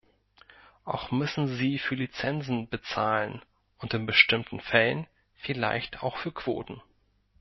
Auch müssen sie für Lizenzen bezahlen und in bestimmten Fällen vielleicht auch für Quoten.